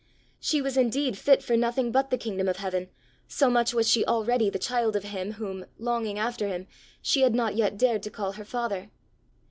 She was indeed fit for nothing but the kingdom of heaven, so much was she already the child of him whom, longing after him, she had not yet dared to call her father.